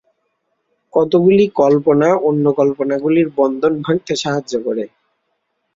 কতকগুলি কল্পনা অন্য কল্পনাগুলির বন্ধন ভাঙতে সাহায্য করে।